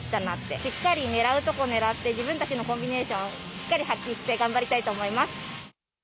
しっかり狙うとこ狙って自分たちのコンビネーションしっかり発揮して頑張りたいと思います。